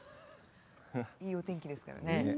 いいお天気ですからね。